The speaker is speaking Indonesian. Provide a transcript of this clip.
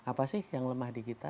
apa sih yang lemah di kita